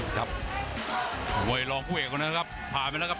โรย่าคุยกระเป๋าสุดของเยอะกับเออกทิสตรา